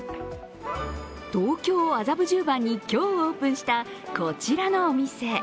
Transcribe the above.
東京・麻布十番に今日オープンした、こちらのお店。